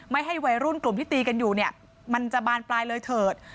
ให้วัยรุ่นกลุ่มที่ตีกันอยู่เนี่ยมันจะบานปลายเลยเถิด